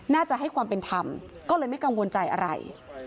น่าจะให้ความเป็นธรรมก็เลยไม่กังวลใจอะไร